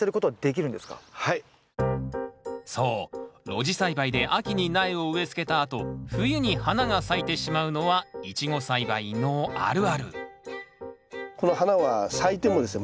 露地栽培で秋に苗を植えつけたあと冬に花が咲いてしまうのはイチゴ栽培のあるあるこの花は咲いてもですね